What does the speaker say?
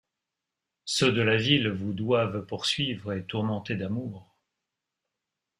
Ceulx de la ville vous doibvent poursuyvre et tormenter d’amour.